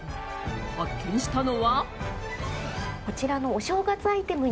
発見したのは。